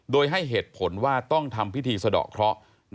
โดยให้เหตุผลว่าต้องทำพิธีสะดอกเคราะห์